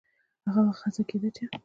هغه وخت هڅه کېده چې